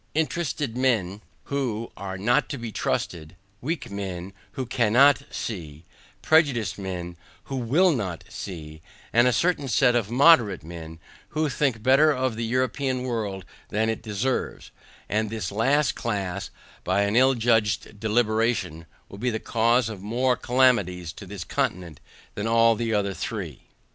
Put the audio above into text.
Interested men, who are not to be trusted; weak men, who CANNOT see; prejudiced men, who WILL NOT see; and a certain set of moderate men, who think better of the European world than it deserves; and this last class, by an ill judged deliberation, will be the cause of more calamities to this continent, than all the other three.